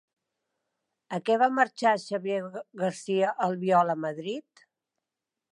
A què va marxar Xavier Garcia Albiol a Madrid?